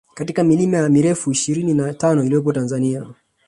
katika ya milima mirefu ishirini na tano iliyopo Tanzania